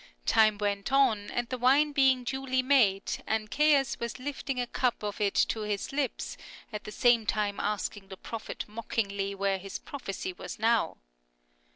Time went on, and the wine being duly made, Ancseus was lifting a cup of it to his lips, at the same time asking the prophet mockingly where his prophecy was now.